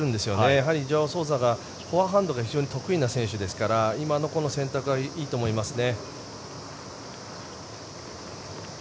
やはりジョアオ・ソウザがバックハンドが非常に得意な選手ですから今の選択はいいと思いますね。